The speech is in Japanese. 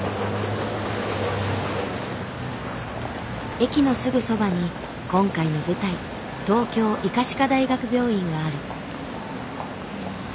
駅のすぐそばに今回の舞台東京医科歯科大学病院がある。